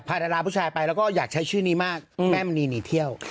ดาราผู้ชายไปแล้วก็อยากใช้ชื่อนี้มากแม่มณีหนีเที่ยว